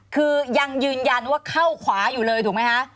คือยังยืนยันว่าเข้าขวาอยู่เลยถูกไหมคะ